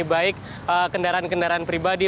jadi baik kendaraan kendaraan pribadi